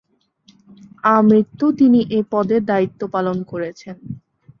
আমৃত্যু তিনি এ পদে দায়িত্ব পালন করেছেন।